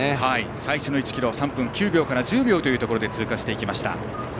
最初の１ｋｍは３分９秒から１０秒というところで通過しました。